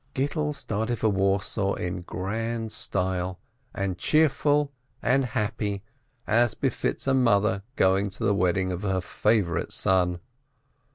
Gittel started for Warsaw In grand style, and cheerful and happy, as befits a mother going to the wedding of her favorite son.